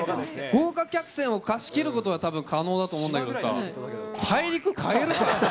豪華客船を貸し切ることはたぶん、可能だと思うんだけどさ、大陸買えるか？